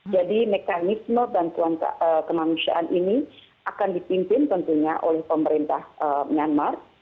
jadi mekanisme bantuan kemanusiaan ini akan dipimpin tentunya oleh pemerintah myanmar